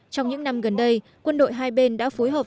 trong những năm gần đây quân đội hai bên đã phối hợp